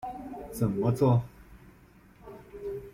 怎么作？